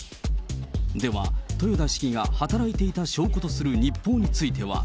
では、豊田市議が働いていたとする証拠の日報については。